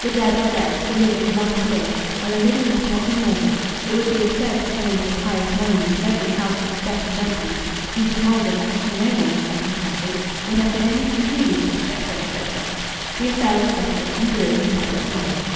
The dead are dead; the living must live, and the living must not be morbid; it would be absurd to turn into a pious monument every house which death has emptied; Mrs. Maldon, had she known all the circumstances, would have been only too pleased, etc., etc. The affair was settled, and grew into public knowledge.